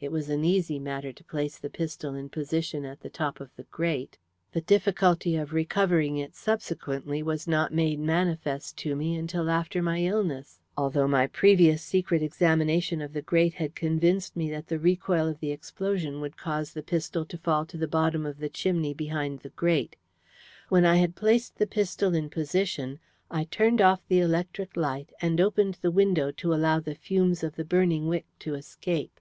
It was an easy matter to place the pistol in position at the top of the grate; the difficulty of recovering it subsequently was not made manifest to me until after my illness, although my previous secret examination of the grate had convinced me that the recoil of the explosion would cause the pistol to fall to the bottom of the chimney behind the grate. When I had placed the pistol in position I turned off the electric light, and opened the window to allow the fumes of the burning wick to escape.